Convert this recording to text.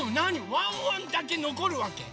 ワンワンだけのこるわけ？